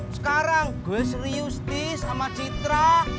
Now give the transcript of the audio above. sekarang gue serius tis sama citra